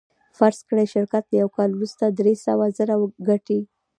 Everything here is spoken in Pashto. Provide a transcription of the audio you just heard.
فرض کړئ شرکت له یوه کال وروسته درې سوه زره ګټي